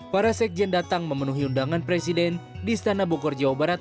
para sekjen datang memenuhi undangan presiden di istana bogor jawa barat